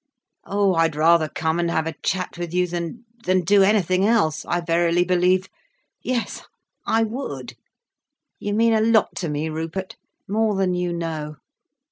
Oh, I'd rather come and have a chat with you than—than do anything else, I verily believe. Yes, I would. You mean a lot to me, Rupert, more than you know."